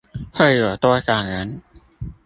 會有多少人？